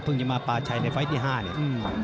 จะมาปลาชัยในไฟล์ที่๕เนี่ย